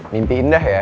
mimpi indah ya